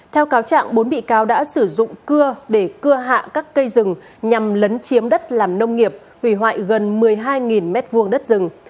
theo cáo trạng bốn bị cáo đã sử dụng cưa để cưa hạ các cây rừng nhằm lấn chiếm đất làm nông nghiệp hủy hoại gần một mươi hai m hai đất rừng